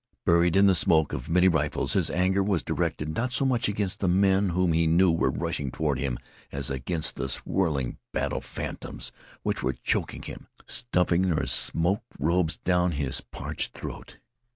Buried in the smoke of many rifles his anger was directed not so much against the men whom he knew were rushing toward him as against the swirling battle phantoms which were choking him, stuffing their smoke robes down his parched throat.